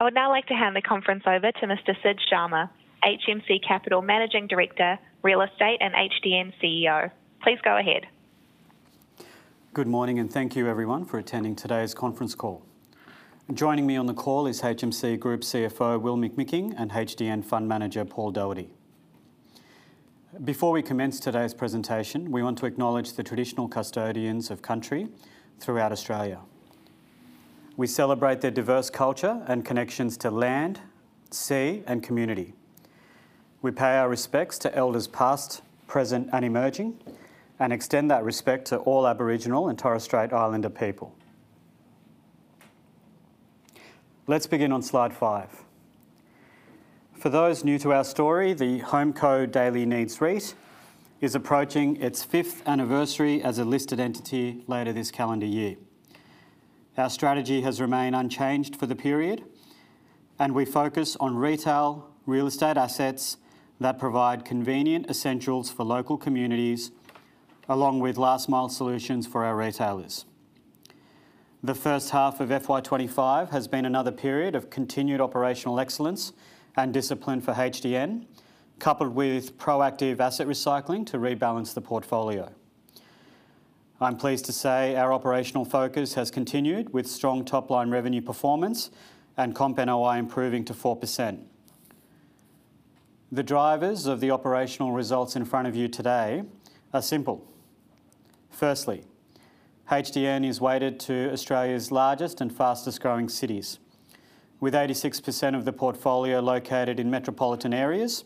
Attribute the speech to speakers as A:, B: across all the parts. A: I would now like to hand the conference over to Mr. Sid Sharma, HMC Capital Managing Director, Real Estate and HDN CEO. Please go ahead.
B: Good morning and thank you, everyone, for attending today's conference call. Joining me on the call is HMC Capital CFO, Will McMicking, and HDN Fund Manager, Paul Doherty. Before we commence today's presentation, we want to acknowledge the traditional custodians of country throughout Australia. We celebrate their diverse culture and connections to land, sea, and community. We pay our respects to elders past, present, and emerging, and extend that respect to all Aboriginal and Torres Strait Islander people. Let's begin on slide five. For those new to our story, the HomeCo Daily Needs REIT is approaching its fifth anniversary as a listed entity later this calendar year. Our strategy has remained unchanged for the period, and we focus on retail real estate assets that provide convenient essentials for local communities, along with last-mile solutions for our retailers. The first half of FY25 has been another period of continued operational excellence and discipline for HDN, coupled with proactive asset recycling to rebalance the portfolio. I'm pleased to say our operational focus has continued with strong top-line revenue performance and comp NOI improving to 4%. The drivers of the operational results in front of you today are simple. Firstly, HDN is weighted to Australia's largest and fastest-growing cities. With 86% of the portfolio located in metropolitan areas,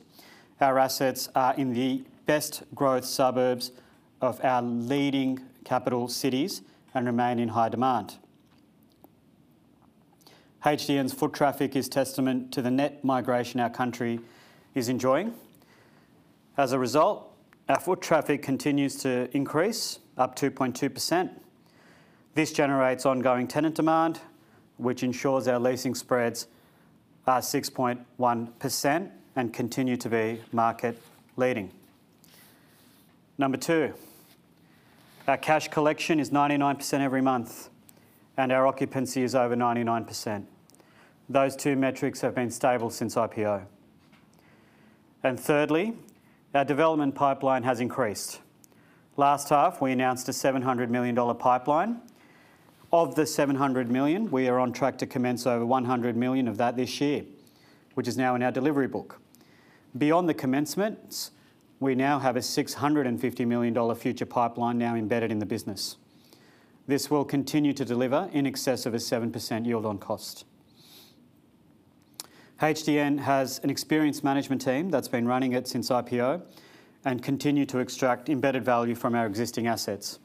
B: our assets are in the best-growth suburbs of our leading capital cities and remain in high demand. HDN's foot traffic is testament to the net migration our country is enjoying. As a result, our foot traffic continues to increase up 2.2%. This generates ongoing tenant demand, which ensures our leasing spreads are 6.1% and continue to be market-leading. Number two, our cash collection is 99% every month, and our occupancy is over 99%. Those two metrics have been stable since IPO. And thirdly, our development pipeline has increased. Last half, we announced a 700 million dollar pipeline. Of the 700 million, we are on track to commence over 100 million of that this year, which is now in our delivery book. Beyond the commencements, we now have a 650 million dollar future pipeline now embedded in the business. This will continue to deliver in excess of a 7% yield on cost. HDN has an experienced management team that's been running it since IPO and continues to extract embedded value from our existing assets.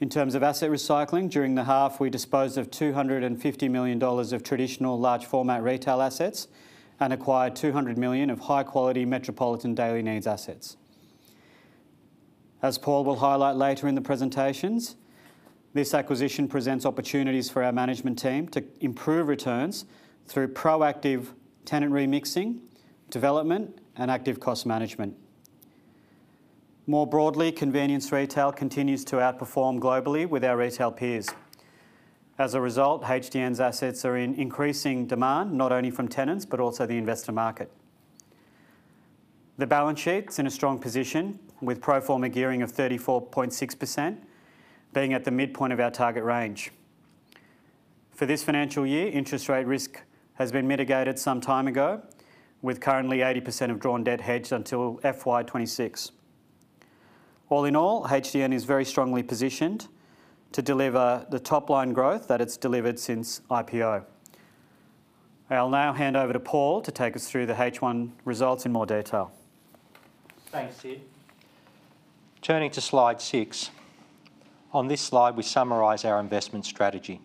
B: In terms of asset recycling, during the half, we disposed of 250 million dollars of traditional large-format retail assets and acquired 200 million of high-quality metropolitan daily needs assets. As Paul will highlight later in the presentations, this acquisition presents opportunities for our management team to improve returns through proactive tenant remixing, development, and active cost management. More broadly, convenience retail continues to outperform globally with our retail peers. As a result, HDN's assets are in increasing demand, not only from tenants, but also the investor market. The balance sheet's in a strong position, with pro forma gearing of 34.6% being at the midpoint of our target range. For this financial year, interest rate risk has been mitigated some time ago, with currently 80% of drawn debt hedged until FY26. All in all, HDN is very strongly positioned to deliver the top-line growth that it's delivered since IPO. I'll now hand over to Paul to take us through the H1 results in more detail.
C: Thanks, Sid. Turning to slide six. On this slide, we summarize our investment strategy.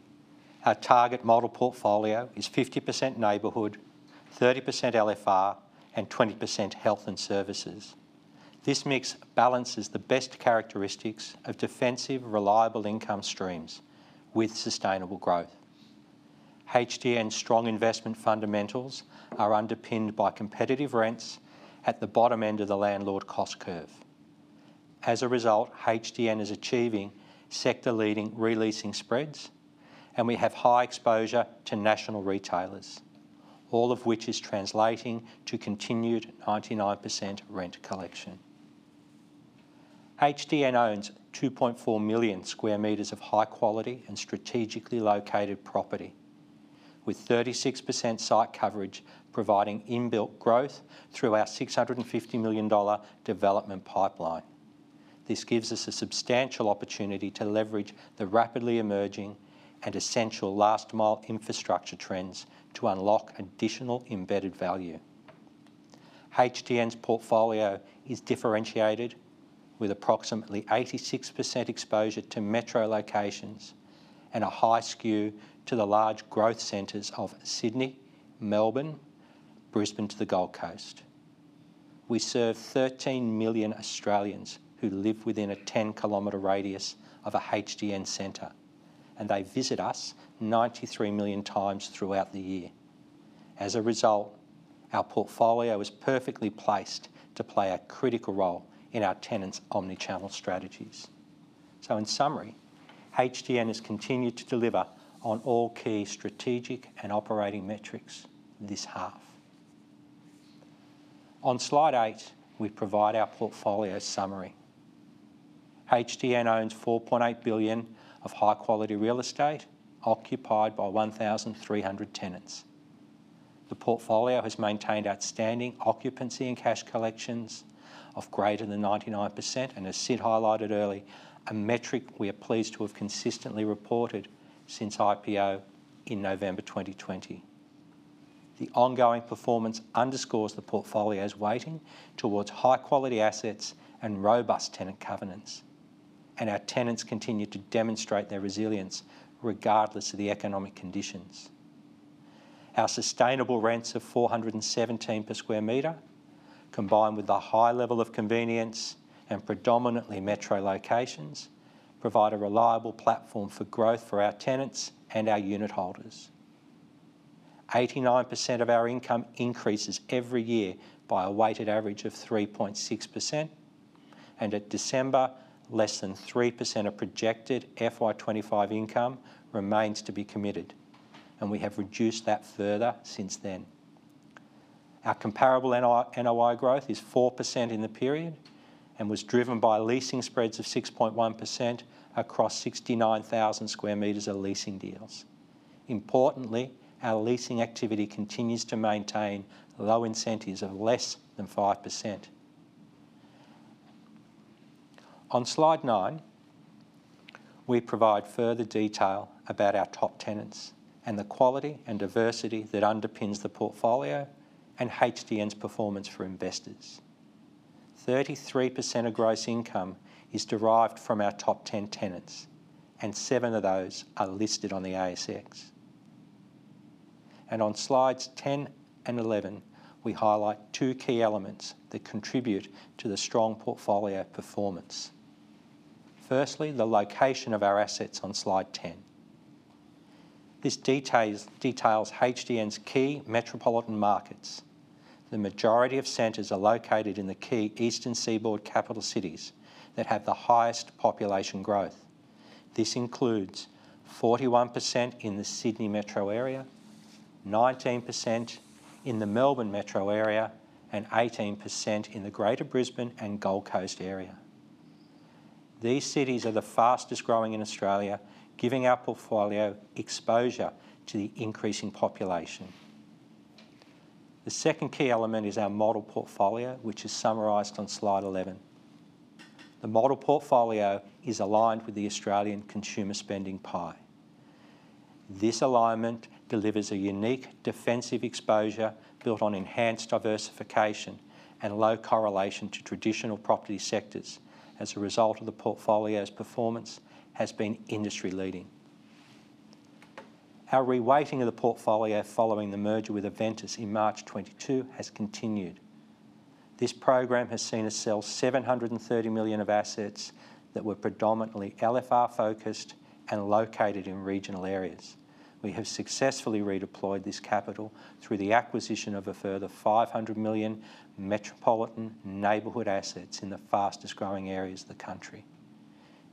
C: Our target model portfolio is 50% neighborhood, 30% LFR, and 20% health and services. This mix balances the best characteristics of defensive, reliable income streams with sustainable growth. HDN's strong investment fundamentals are underpinned by competitive rents at the bottom end of the landlord cost curve. As a result, HDN is achieving sector-leading re-leasing spreads, and we have high exposure to national retailers, all of which is translating to continued 99% rent collection. HDN owns 2.4 million square meters of high-quality and strategically located property, with 36% site coverage providing inbuilt growth through our 650 million dollar development pipeline. This gives us a substantial opportunity to leverage the rapidly emerging and essential last-mile infrastructure trends to unlock additional embedded value. HDN's portfolio is differentiated with approximately 86% exposure to metro locations and a high skew to the large growth centres of Sydney, Melbourne, Brisbane, to the Gold Coast. We serve 13 million Australians who live within a 10 Km radius of a HDN center, and they visit us 93 million times throughout the year. As a result, our portfolio is perfectly placed to play a critical role in our tenants' omnichannel strategies. So, in summary, HDN has continued to deliver on all key strategic and operating metrics this half. On slide eight, we provide our portfolio summary. HDN owns 4.8 billion of high-quality real estate occupied by 1,300 tenants. The portfolio has maintained outstanding occupancy and cash collections of greater than 99%, and, as Sid highlighted earlier, a metric we are pleased to have consistently reported since IPO in November 2020. The ongoing performance underscores the portfolio's weighting towards high-quality assets and robust tenant covenants, and our tenants continue to demonstrate their resilience regardless of the economic conditions. Our sustainable rents of 417 per sq m, combined with the high level of convenience and predominantly metro locations, provide a reliable platform for growth for our tenants and our unit holders. 89% of our income increases every year by a weighted average of 3.6%, and at December, less than 3% of projected FY25 income remains to be committed, and we have reduced that further since then. Our comparable NOI growth is 4% in the period and was driven by leasing spreads of 6.1% across 69,000 sq m of leasing deals. Importantly, our leasing activity continues to maintain low incentives of less than 5%. On slide nine, we provide further detail about our top tenants and the quality and diversity that underpins the portfolio and HDN's performance for investors. 33% of gross income is derived from our top 10 tenants, and seven of those are listed on the ASX. On slides 10 and 11, we highlight two key elements that contribute to the strong portfolio performance. Firstly, the location of our assets on slide 10. This details HDN's key metropolitan markets. The majority of centers are located in the key eastern seaboard capital cities that have the highest population growth. This includes 41% in the Sydney metro area, 19% in the Melbourne metro area, and 18% in the Greater Brisbane and Gold Coast area. These cities are the fastest growing in Australia, giving our portfolio exposure to the increasing population. The second key element is our model portfolio, which is summarized on slide 11. The model portfolio is aligned with the Australian consumer spending pie. This alignment delivers a unique defensive exposure built on enhanced diversification and low correlation to traditional property sectors. As a result, the portfolio's performance has been industry-leading. Our reweighting of the portfolio following the merger with Aventus in March 2022 has continued. This program has seen us sell 730 million of assets that were predominantly LFR-focused and located in regional areas. We have successfully redeployed this capital through the acquisition of a further 500 million metropolitan neighborhood assets in the fastest-growing areas of the country.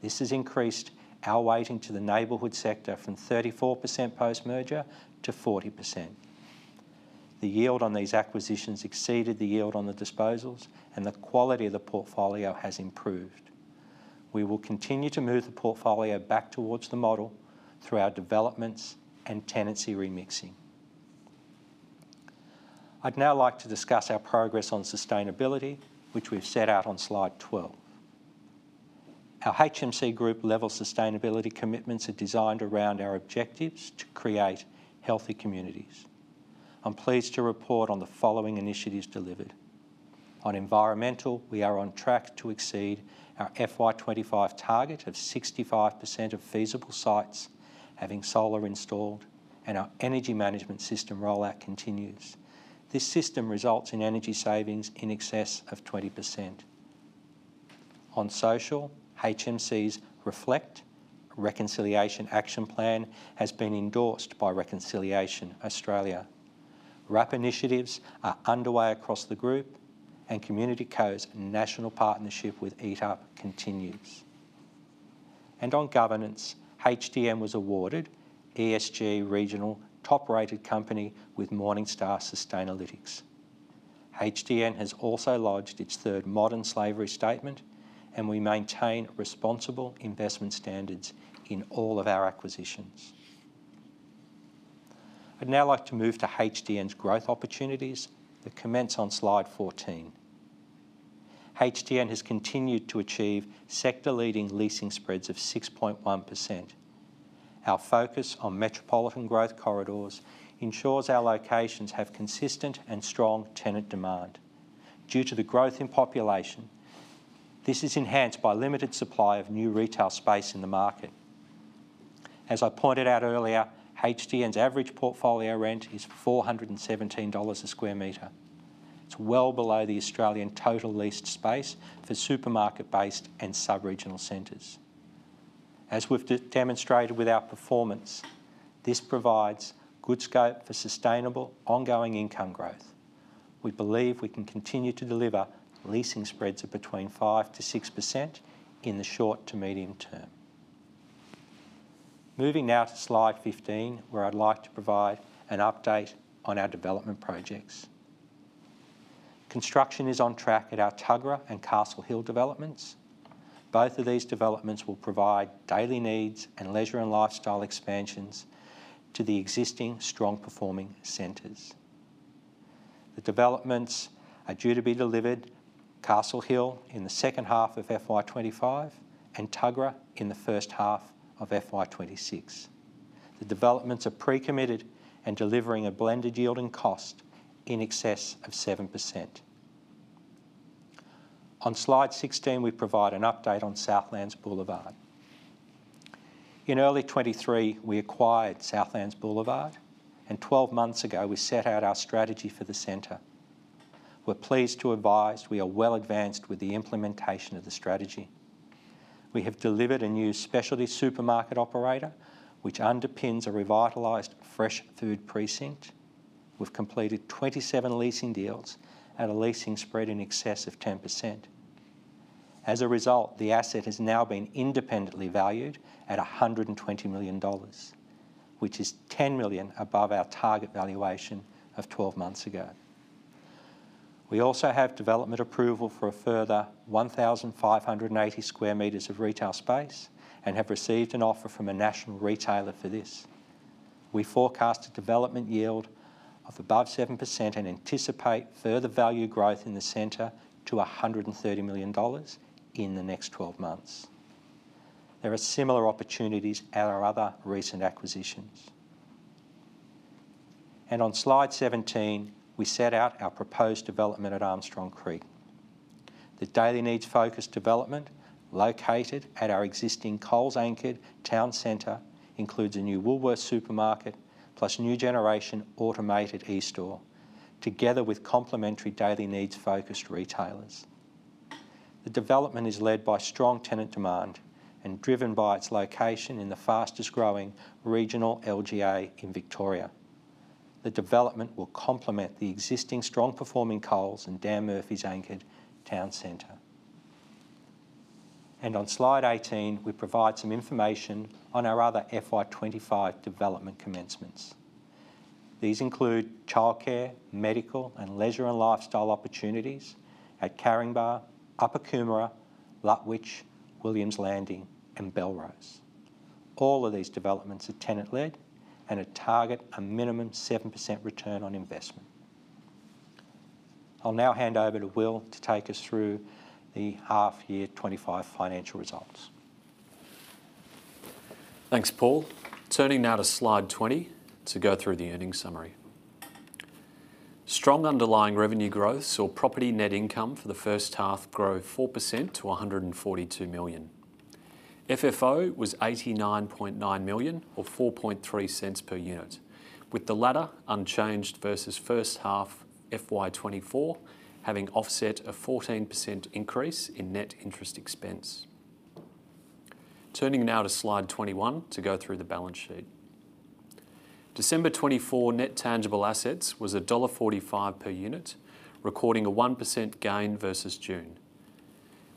C: This has increased our weighting to the neighborhood sector from 34% post-merger to 40%. The yield on these acquisitions exceeded the yield on the disposals, and the quality of the portfolio has improved. We will continue to move the portfolio back towards the model through our developments and tenancy remixing. I'd now like to discuss our progress on sustainability, which we've set out on slide 12. Our HMC Group level sustainability commitments are designed around our objectives to create healthy communities. I'm pleased to report on the following initiatives delivered. On environmental, we are on track to exceed our FY25 target of 65% of feasible sites having solar installed, and our energy management system rollout continues. This system results in energy savings in excess of 20%. On social, HMC's Reflect Reconciliation Action Plan has been endorsed by Reconciliation Australia. RAP initiatives are underway across the group, and Community Co's national partnership with Eat Up continues, and on governance, HDN was awarded ESG regional top-rated company with Morningstar Sustainalytics. HDN has also lodged its third modern slavery statement, and we maintain responsible investment standards in all of our acquisitions. I'd now like to move to HDN's growth opportunities that commence on slide 14. HDN has continued to achieve sector-leading leasing spreads of 6.1%. Our focus on metropolitan growth corridors ensures our locations have consistent and strong tenant demand. Due to the growth in population, this is enhanced by limited supply of new retail space in the market. As I pointed out earlier, HDN's average portfolio rent is 417 dollars a sq m. It's well below the Australian total leased space for supermarket-based and sub-regional centres. As we've demonstrated with our performance, this provides good scope for sustainable ongoing income growth. We believe we can continue to deliver leasing spreads of between 5% to 6% in the short to medium term. Moving now to slide 15, where I'd like to provide an update on our development projects. Construction is on track at our Tuggerah and Castle Hill developments. Both of these developments will provide daily needs and leisure and lifestyle expansions to the existing strong-performing centers. The developments are due to be delivered at Castle Hill in the second half of FY25 and Tuggerah in the first half of FY26. The developments are pre-committed and delivering a blended yield and cost in excess of 7%. On slide 16, we provide an update on Southlands Boulevarde. In early 2023, we acquired Southlands Boulevarde, and 12 months ago, we set out our strategy for the center. We're pleased to advise we are well advanced with the implementation of the strategy. We have delivered a new specialty supermarket operator, which underpins a revitalized fresh food precinct with completed 27 leasing deals at a leasing spread in excess of 10%. As a result, the asset has now been independently valued at 120 million dollars, which is 10 million above our target valuation of 12 months ago. We also have development approval for a further 1,580 square meters of retail space and have received an offer from a national retailer for this. We forecast a development yield of above 7% and anticipate further value growth in the center to 130 million dollars in the next 12 months. There are similar opportunities at our other recent acquisitions. On slide 17, we set out our proposed development at Armstrong Creek. The daily needs-focused development located at our existing Coles-anchored Town Centre includes a new Woolworths supermarket plus new generation automated e-store, together with complementary daily needs-focused retailers. The development is led by strong tenant demand and driven by its location in the fastest-growing regional LGA in Victoria. The development will complement the existing strong-performing Coles and Dan Murphy's-anchored Town Centre. On slide 18, we provide some information on our other FY25 development commencements. These include childcare, medical, and leisure and lifestyle opportunities at Caringbah, Upper Coomera, Lutwyche, Williams Landing, and Belrose. All of these developments are tenant-led and target a minimum 7% return on investment. I'll now hand over to Will to take us through the half-year '25 financial results.
D: Thanks, Paul. Turning now to slide 20 to go through the earnings summary. Strong underlying revenue growth, or property net income for the first half, grew 4% to 142 million. FFO was 89.9 million or 0.043 per unit, with the latter unchanged versus first half FY24, having offset a 14% increase in net interest expense. Turning now to slide 21 to go through the balance sheet. December 2024 net tangible assets was dollar 1.45 per unit, recording a 1% gain versus June.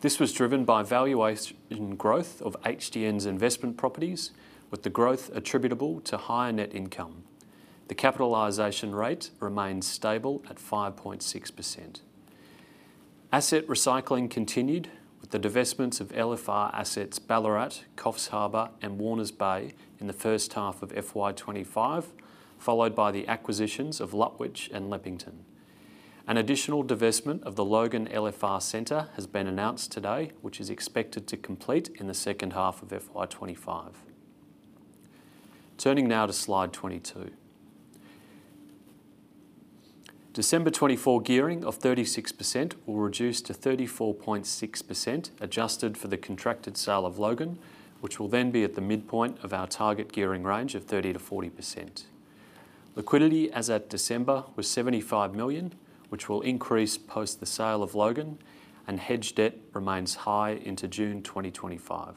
D: This was driven by valuation growth of HDN's investment properties, with the growth attributable to higher net income. The capitalization rate remained stable at 5.6%. Asset recycling continued with the divestments of LFR assets Ballarat, Coffs Harbour, and Warners Bay in the first half of FY25, followed by the acquisitions of Lutwyche and Leppington. An additional divestment of the Logan LFR Centre has been announced today, which is expected to complete in the second half of FY25. Turning now to slide 22. December 2024 gearing of 36% will reduce to 34.6%, adjusted for the contracted sale of Logan, which will then be at the midpoint of our target gearing range of 30%-40%. Liquidity as at December was 75 million, which will increase post the sale of Logan, and hedge debt remains high into June 2025.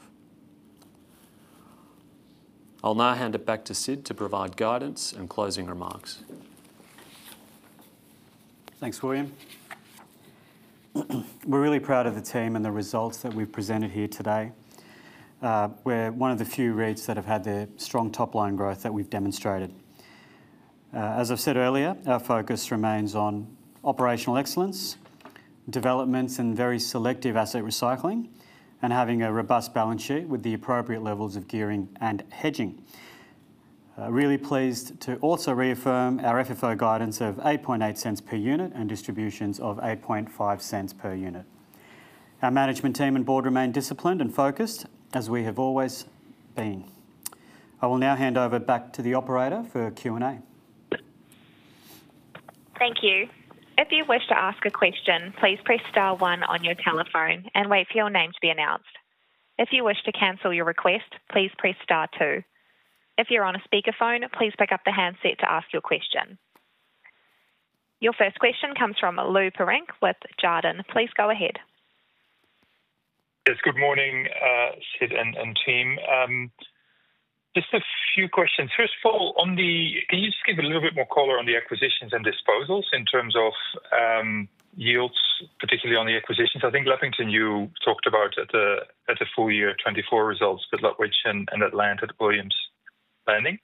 D: I'll now hand it back to Sid to provide guidance and closing remarks.
B: Thanks, William. We're really proud of the team and the results that we've presented here today. We're one of the few REITs that have had the strong top-line growth that we've demonstrated. As I've said earlier, our focus remains on operational excellence, developments in very selective asset recycling, and having a robust balance sheet with the appropriate levels of gearing and hedging. Really pleased to also reaffirm our FFO guidance of 0.088 per unit and distributions of 0.085 per unit. Our management team and board remain disciplined and focused, as we have always been. I will now hand over back to the operator for Q&A.
A: Thank you. If you wish to ask a question, please press star one on your telephone and wait for your name to be announced. If you wish to cancel your request, please press star two. If you're on a speakerphone, please pick up the handset to ask your question. Your first question comes from Lou Pirenc with Jarden. Please go ahead.
E: Yes, good morning, Sid and team. Just a few questions. First of all, can you just give a little bit more color on the acquisitions and disposals in terms of yields, particularly on the acquisitions? I think Lutwyche, and you talked about at the full year 2024 results for Lutwyche and the land at Williams Landing.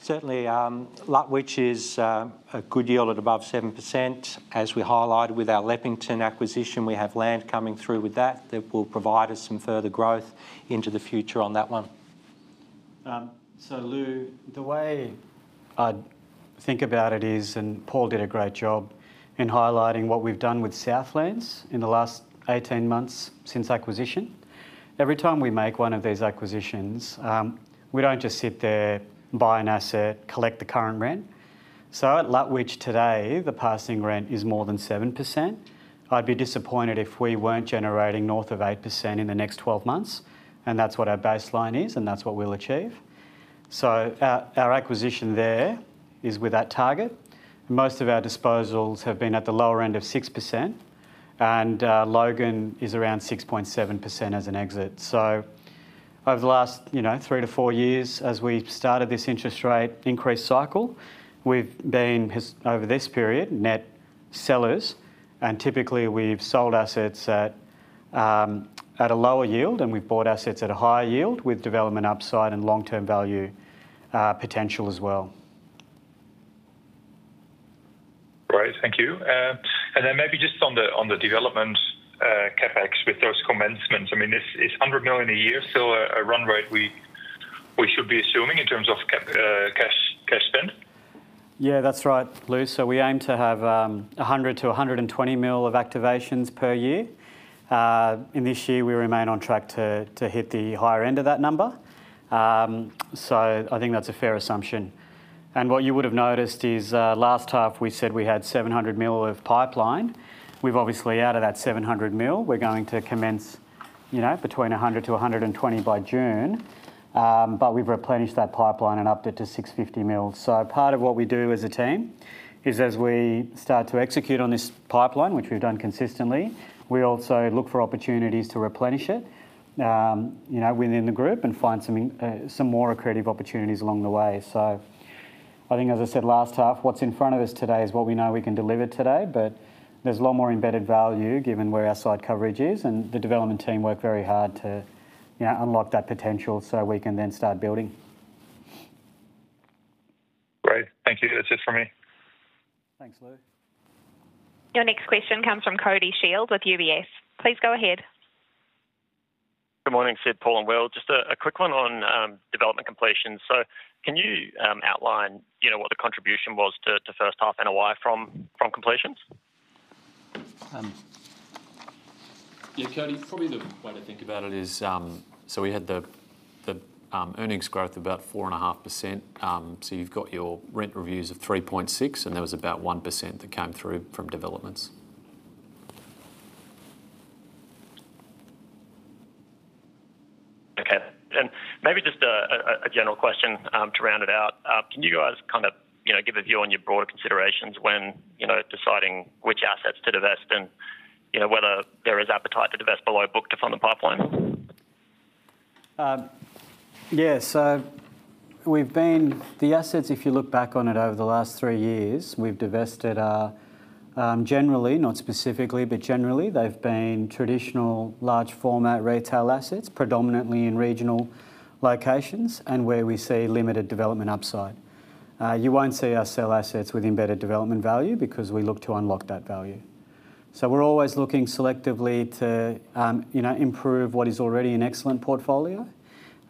C: Certainly, Lutwyche is a good yield at above 7%. As we highlighted with our Leppington acquisition, we have land coming through with that that will provide us some further growth into the future on that one.
B: Lou, the way I think about it is, Paul did a great job in highlighting what we've done with Southlands in the last 18 months since acquisition. Every time we make one of these acquisitions, we don't just sit there, buy an asset, collect the current rent. At Lutwyche today, the passing rent is more than 7%. I'd be disappointed if we weren't generating north of 8% in the next 12 months. That's what our baseline is, and that's what we'll achieve. Our acquisition there is with that target. Most of our disposals have been at the lower end of 6%, and Logan is around 6.7% as an exit. So over the last three to four years, as we've started this interest rate increase cycle, we've been over this period net sellers, and typically we've sold assets at a lower yield, and we've bought assets at a higher yield with development upside and long-term value potential as well.
E: Great, thank you. And then maybe just on the development CapEx with those commencements, I mean, it's 100 million a year, so a run rate we should be assuming in terms of cash spend.
C: Yeah, that's right, Lou. So we aim to have 100-120 million of activations per year. In this year, we remain on track to hit the higher end of that number. So I think that's a fair assumption. What you would have noticed is last half, we said we had 700 million of pipeline. We've obviously added that 700 million. We're going to commence between 100-120 million by June, but we've replenished that pipeline and upped it to 650 million. So part of what we do as a team is as we start to execute on this pipeline, which we've done consistently, we also look for opportunities to replenish it within the group and find some more accretive opportunities along the way. So I think, as I said, last half, what's in front of us today is what we know we can deliver today, but there's a lot more embedded value given where our site coverage is, and the development team worked very hard to unlock that potential so we can then start building.
E: Great, thank you. That's it for me.
B: Thanks, Lou.
A: Your next question comes from Cody Shield with UBS. Please go ahead.
F: Good morning, Sid, Paul, and Will. Just a quick one on development completions. So can you outline what the contribution was to first half NOI from completions? Yeah, Cody, probably the way to think about it is, so we had the earnings growth of about 4.5%. So you've got your rent reviews of 3.6%, and there was about 1% that came through from developments. Okay, and maybe just a general question to round it out. Can you guys kind of give a view on your broader considerations when deciding which assets to divest and whether there is appetite to divest below book to fund the pipeline?
B: Yeah, so with the assets, if you look back on it over the last three years, we've divested generally, not specifically, but generally, they've been traditional large-format retail assets, predominantly in regional locations and where we see limited development upside. You won't see our sale assets with embedded development value because we look to unlock that value. So we're always looking selectively to improve what is already an excellent portfolio,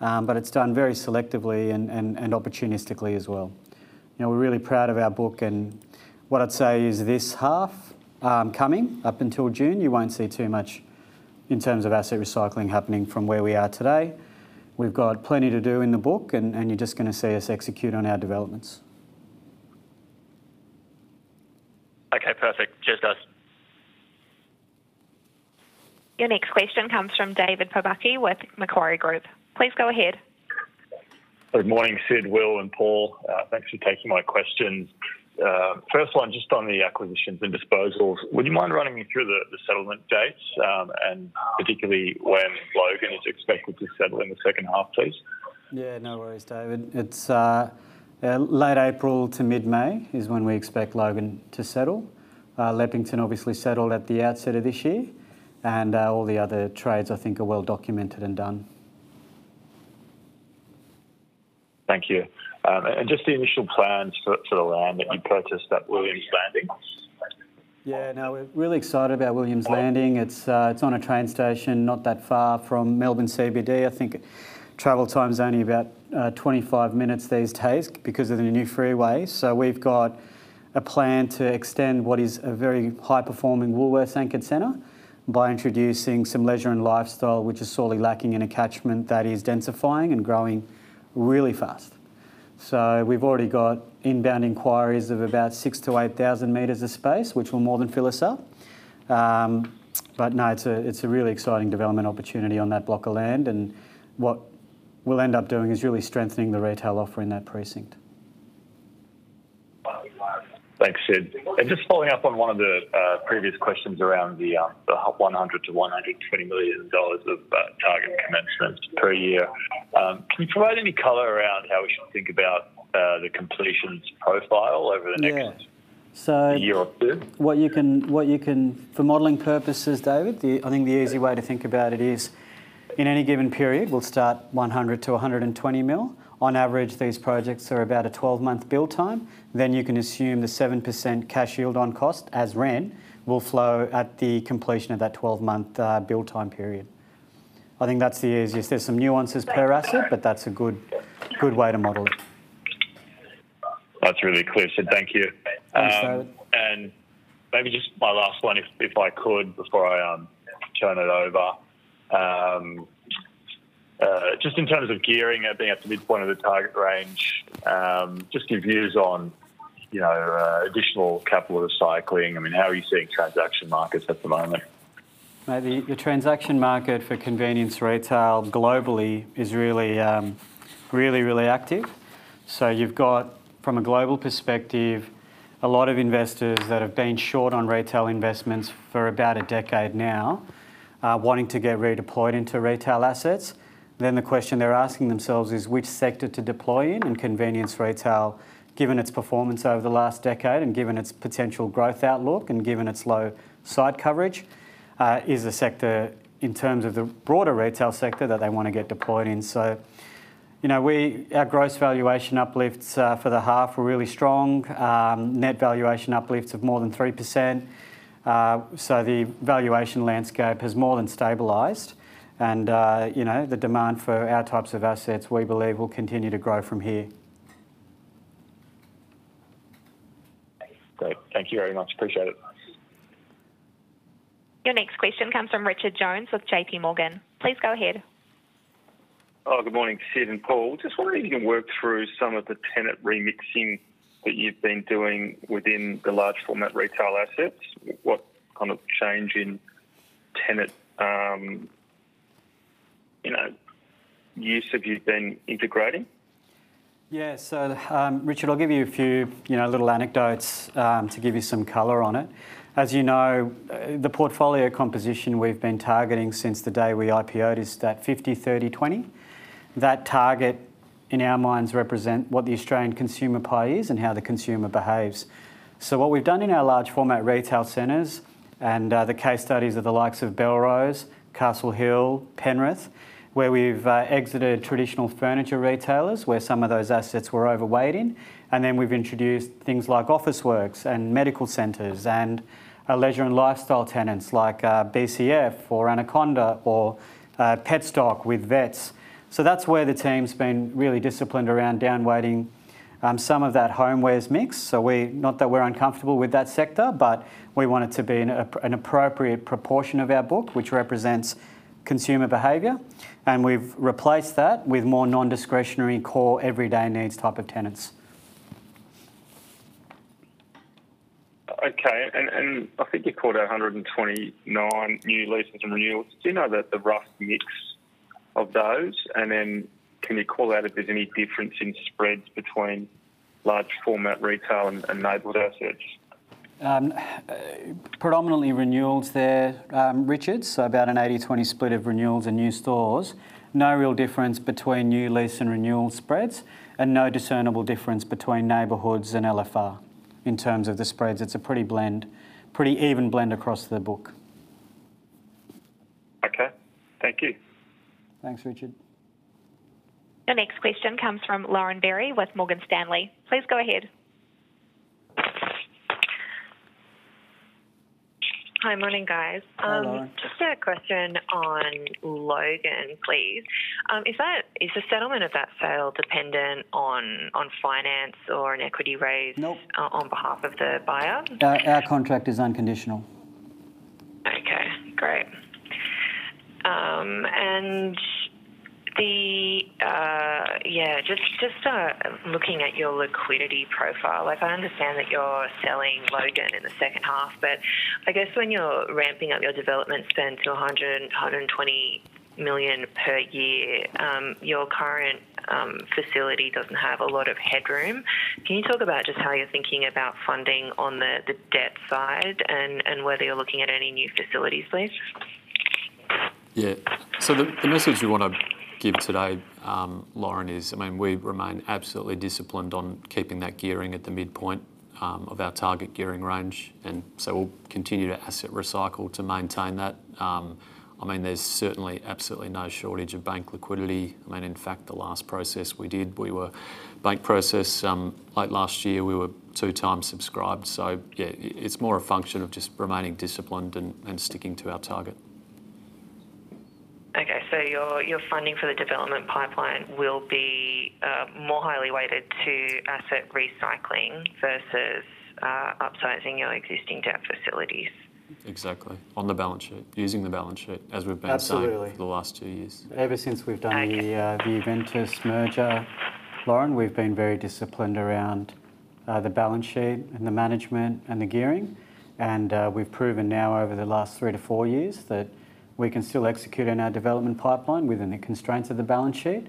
B: but it's done very selectively and opportunistically as well. We're really proud of our book, and what I'd say is this half coming up until June, you won't see too much in terms of asset recycling happening from where we are today. We've got plenty to do in the book, and you're just going to see us execute on our developments.
F: Okay, perfect. Cheers, guys.
A: Your next question comes from David Pobucky with Macquarie Group. Please go ahead.
G: Good morning, Sid, Will, and Paul. Thanks for taking my questions. First one, just on the acquisitions and disposals, would you mind running me through the settlement dates and particularly when Logan is expected to settle in the second half, please?
B: Yeah, no worries, David. It's late April to mid-May is when we expect Logan to settle. Leppington obviously settled at the outset of this year, and all the other trades, I think, are well documented and done.
G: Thank you. And just the initial plans for the land that you purchased, that Williams Landing?
B: Yeah, no, we're really excited about Williams Landing. It's on a train station not that far from Melbourne CBD. I think travel time is only about 25 minutes these days because of the new freeway. We've got a plan to extend what is a very high-performing Woolworths anchored center by introducing some leisure and lifestyle, which is sorely lacking in a catchment that is densifying and growing really fast. We've already got inbound inquiries of about 6,000-8,000 m of space, which will more than fill us up. But no, it's a really exciting development opportunity on that block of land. And what we'll end up doing is really strengthening the retail offer in that precinct.
G: Thanks, Sid. And just following up on one of the previous questions around the 100-120 million dollars of target commencements per year, can you provide any color around how we should think about the completions profile over the next year or two?
B: What you can for modeling purposes, David, I think the easy way to think about it is in any given period, we'll start 100-120 million. On average, these projects are about a 12-month build time. Then you can assume the 7% cash yield on cost as rent will flow at the completion of that 12-month build time period. I think that's the easiest. There's some nuances per asset, but that's a good way to model it.
H: That's really clear, Sid. Thank you. And maybe just my last one, if I could, before I turn it over. Just in terms of gearing at the midpoint of the target range, just give views on additional capital recycling. I mean, how are you seeing transaction markets at the moment?
B: The transaction market for convenience retail globally is really, really, really active. So you've got, from a global perspective, a lot of investors that have been short on retail investments for about a decade now, wanting to get redeployed into retail assets. Then the question they're asking themselves is which sector to deploy in: convenience retail, given its performance over the last decade and given its potential growth outlook and given its low site coverage, is the sector in terms of the broader retail sector that they want to get deployed in. So our gross valuation uplifts for the half were really strong. Net valuation uplifts of more than 3%. So the valuation landscape has more than stabilized. And the demand for our types of assets, we believe, will continue to grow from here.
G: Thank you very much. Appreciate it.
A: Your next question comes from Richard Jones with JP Morgan. Please go ahead.
I: Good morning, Sid and Paul. Just wondering if you can work through some of the tenant remixing that you've been doing within the large-format retail assets? What kind of change in tenant use have you been integrating?
B: Yeah, so Richard, I'll give you a few little anecdotes to give you some color on it. As you know, the portfolio composition we've been targeting since the day we IPO'd is that 50-30-20. That target, in our minds, represents what the Australian consumer play is and how the consumer behaves. So what we've done in our large-format retail centers and the case studies of the likes of Belrose, Castle Hill, Penrith, where we've exited traditional furniture retailers, where some of those assets were overweighting, and then we've introduced things like Officeworks and medical centres and leisure and lifestyle tenants like BCF or Anaconda or Petstock with vets. That's where the team's been really disciplined around downweighting some of that homewares mix. Not that we're uncomfortable with that sector, but we want it to be an appropriate proportion of our book, which represents consumer behavior. We've replaced that with more non-discretionary core everyday needs type of tenants.
I: Okay, and I think you called out 129 new leases and renewals. Do you know the rough mix of those? And then can you call out if there's any difference in spreads between large-format retail and neighborhood assets?
B: Predominantly renewals there, Richard. About an 80-20 split of renewals and new stores. No real difference between new lease and renewal spreads, and no discernible difference between neighborhoods and LFR in terms of the spreads. It's a pretty even blend across the book.
I: Okay, thank you.
B: Thanks, Richard.
A: Your next question comes from Lauren Berry with Morgan Stanley. Please go ahead.
J: Hi, morning, guys. Just a question on Logan, please. Is the settlement of that sale dependent on finance or an equity raise on behalf of the buyer?
B: Our contract is unconditional.
J: Okay, great. And yeah, just looking at your liquidity profile, I understand that you're selling Logan in the second half, but I guess when you're ramping up your development spend to 120 million per year, your current facility doesn't have a lot of headroom. Can you talk about just how you're thinking about funding on the debt side and whether you're looking at any new facilities, Will?
D: Yeah, so the message we want to give today, Lauren, is, I mean, we remain absolutely disciplined on keeping that gearing at the midpoint of our target gearing range. And so we'll continue to asset recycle to maintain that. I mean, there's certainly absolutely no shortage of bank liquidity. I mean, in fact, the last process we did, we were bank process like last year, we were two-time subscribed. So yeah, it's more a function of just remaining disciplined and sticking to our target.
J: Okay, so your funding for the development pipeline will be more highly weighted to asset recycling versus upsizing your existing debt facilities.
D: Exactly. On the balance sheet, using the balance sheet as we've been saying the last two years. Absolutely. Ever since we've done the Aventus merger, Lauren, we've been very disciplined around the balance sheet and the management and the gearing, and we've proven now over the last three to four years that we can still execute on our development pipeline within the constraints of the balance sheet,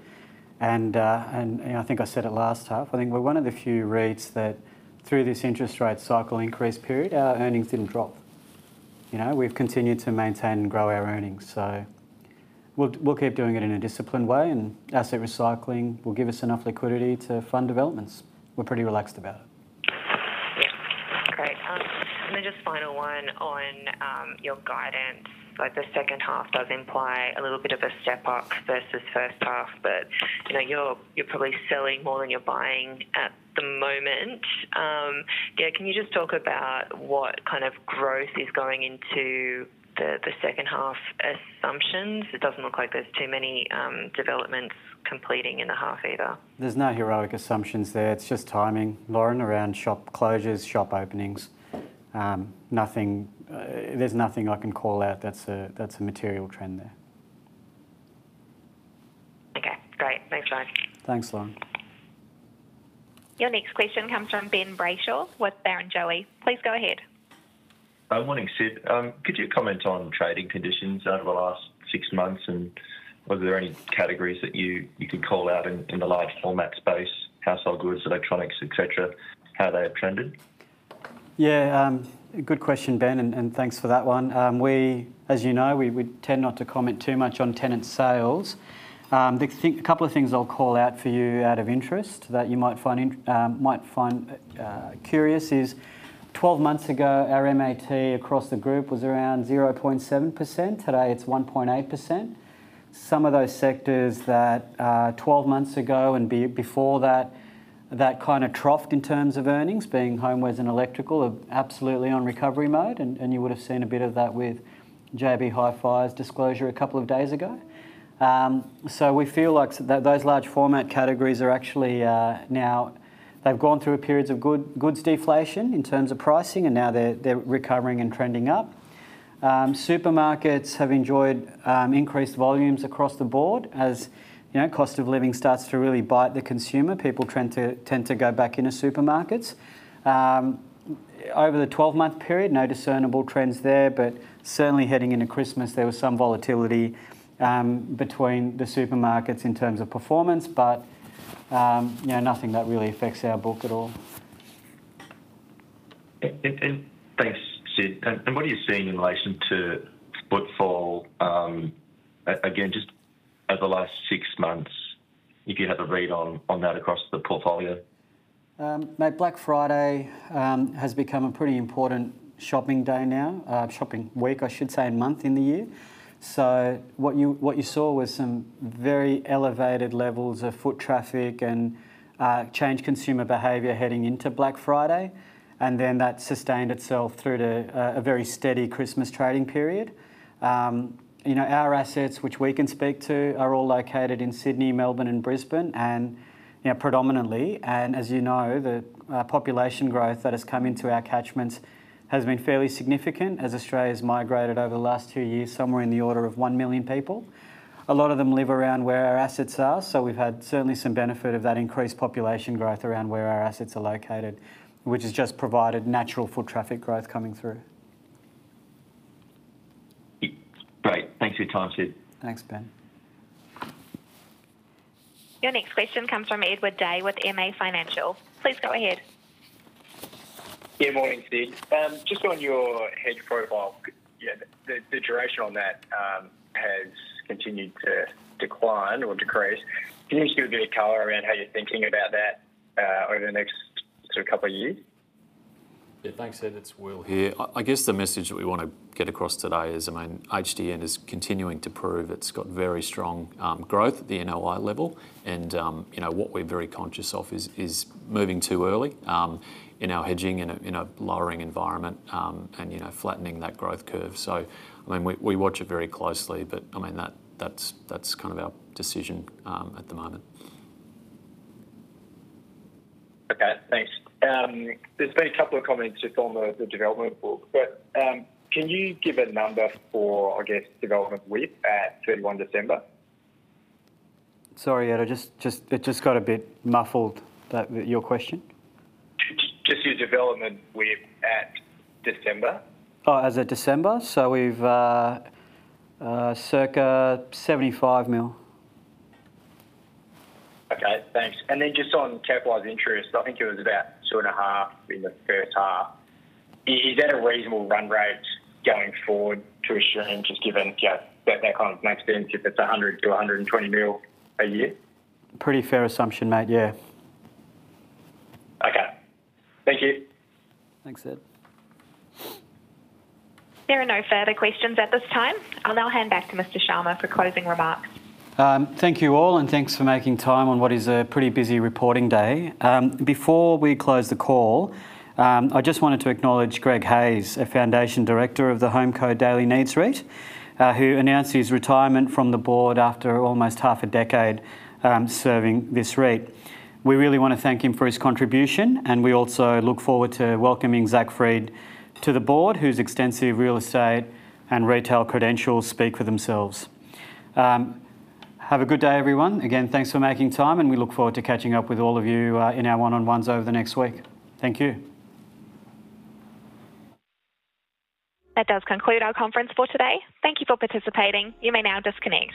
D: and I think I said it last half. I think we're one of the few REITs that, through this interest rate cycle increase period, our earnings didn't drop. We've continued to maintain and grow our earnings. So we'll keep doing it in a disciplined way, and asset recycling will give us enough liquidity to fund developments. We're pretty relaxed about it.
J: Yeah. Great. And then just final one on your guidance. The second half does imply a little bit of a step up versus first half, but you're probably selling more than you're buying at the moment. Yeah, can you just talk about what kind of growth is going into the second half assumptions? It doesn't look like there's too many developments completing in the half either.
D: There's no heroic assumptions there. It's just timing, Lauren, around shop closures, shop openings. There's nothing I can call out that's a material trend there.
J: Okay, great. Thanks, guys.
D: Thanks, Lauren.
A: Your next question comes from Ben Brayshaw with Barrenjoey. Please go ahead.
K: Good morning, Sid. Could you comment on trading conditions over the last six months and whether there are any categories that you could call out in the large-format space, household goods, electronics, etc., how they have trended?
B: Yeah, good question, Ben, and thanks for that one. As you know, we tend not to comment too much on tenant sales. A couple of things I'll call out for you out of interest that you might find curious is 12 months ago, our MAT across the group was around 0.7%. Today, it's 1.8%. Some of those sectors that 12 months ago and before that, that kind of troughed in terms of earnings, being homewares and electrical, are absolutely on recovery mode. And you would have seen a bit of that with JB Hi-Fi's disclosure a couple of days ago. So we feel like those large-format categories are actually, now they've gone through a period of goods deflation in terms of pricing, and now they're recovering and trending up. Supermarkets have enjoyed increased volumes across the board as cost of living starts to really bite the consumer. People tend to go back into supermarkets. Over the 12-month period, no discernible trends there, but certainly heading into Christmas, there was some volatility between the supermarkets in terms of performance, but nothing that really affects our book at all.
K: Thanks, Sid. And what are you seeing in relation to split fall? Again, just over the last six months, if you have a read on that across the portfolio.
B: Black Friday has become a pretty important shopping day now, shopping week, I should say, and month in the year. So what you saw was some very elevated levels of foot traffic and changed consumer behavior heading into Black Friday. And then that sustained itself through to a very steady Christmas trading period. Our assets, which we can speak to, are all located in Sydney, Melbourne, and Brisbane, and predominantly. And as you know, the population growth that has come into our catchments has been fairly significant as Australia has migrated over the last two years, somewhere in the order of one million people. A lot of them live around where our assets are. So we've had certainly some benefit of that increased population growth around where our assets are located, which has just provided natural foot traffic growth coming through.
K: Great. Thanks for your time, Sid.
B: Thanks, Ben.
A: Your next question comes from Edward Day with MA Financial. Please go ahead.
L: Good morning, Sid. Just on your hedge profile, the duration on that has continued to decline or decrease. Can you give a bit of color around how you're thinking about that over the next couple of years?
D: Yeah, thanks, Sid. It's Will here. I guess the message that we want to get across today is, I mean, HDN is continuing to prove it's got very strong growth at the NOI level. And what we're very conscious of is moving too early in our hedging in a lowering environment and flattening that growth curve. So, I mean, we watch it very closely, but I mean, that's kind of our decision at the moment.
L: Okay, thanks. There's been a couple of comments just on the development board, but can you give a number for, I guess, development WIP at 31 December?
D: Sorry, Edward, it just got a bit muffled, but your question?
L: Just your development WIP as of December. Oh, as of December?
D: So we've approximately AUD 75 million.
L: Okay, thanks. And then just on capitalized interest, I think it was about 2.5 million in the first half. Is that a reasonable run rate going forward to assume, just given that kind of maximum, if it's 100 -120 million a year?
D: Pretty fair assumption made, yeah.
L: Okay. Thank you.
D: Thanks, Sid.
A: There are no further questions at this time. I'll now hand back to Mr. Sharma for closing remarks.
B: Thank you all, and thanks for making time on what is a pretty busy reporting day. Before we close the call, I just wanted to acknowledge Greg Hayes, a Foundation Director of the HomeCo Daily Needs REIT, who announced his retirement from the board after almost half a decade serving this REIT. We really want to thank him for his contribution, and we also look forward to welcoming Zac Fried to the board, whose extensive real estate and retail credentials speak for themselves. Have a good day, everyone. Again, thanks for making time, and we look forward to catching up with all of you in our one-on-ones over the next week. Thank you.
A: That does conclude our conference for today. Thank you for participating. You may now disconnect.